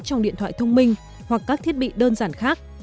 trong điện thoại thông minh hoặc các thiết bị đơn giản khác